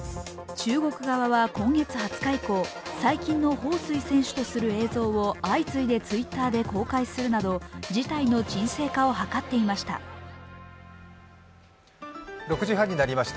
中国側は今月２０日以降、最近の彭帥選手とする映像を相次いでＴｗｉｔｔｅｒで公開するなど事態の沈静化を図っていました。